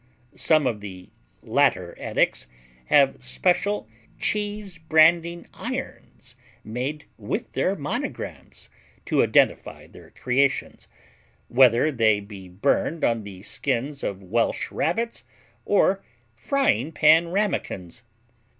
Some of the latter addicts have special cheese branding irons made with their monograms, to identify their creations, whether they be burned on the skins of Welsh Rabbits or Frying Pan Ramekins.